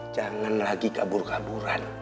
jangan lagi kabur kaburan